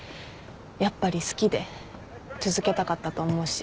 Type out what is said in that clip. やっぱり好きで続けたかったと思うし。